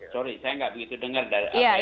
sorry saya tidak begitu dengar dari anda